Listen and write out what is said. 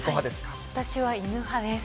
私は犬派です。